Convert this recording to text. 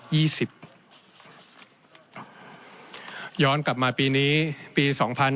ย้อนกลับมาปีนี้ปี๒๕๕๙